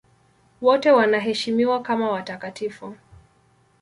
Wote wanaheshimiwa kama watakatifu.